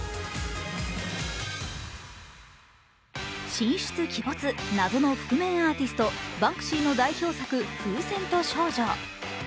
神出鬼没、謎の覆面アーティストバンクシーの代表作、「風船と少女」。